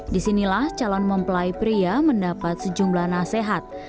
disinilah calon mempelai pria mendapat sejumlah nasihat